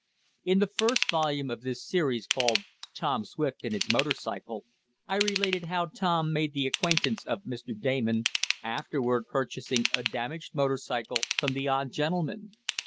In the first volume of this series, called "Tom Swift and His Motor Cycle," I related how Tom made the acquaintance of Mr. Damon, afterward purchasing a damaged motor cycle from the odd gentleman.